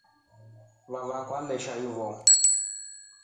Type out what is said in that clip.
Avae alesha hiyo.